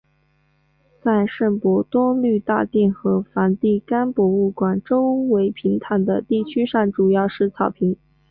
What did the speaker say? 在圣伯多禄大殿和梵蒂冈博物馆周围平坦的地区上主要是草坪。